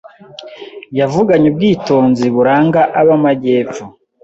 Yavuganye ubwitonzi buranga abamajyepfo.